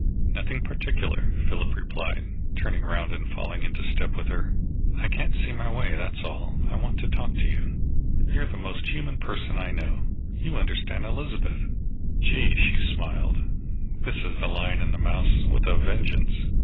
"Nothing particular," Philip replied, turning round and falling into step with her. "I can't see my way, that's all, and I want to talk to you. You're the most human person I know, and you understand Elizabeth." "Gee!" she smiled. "This is the lion and the mouse, with a vengeance.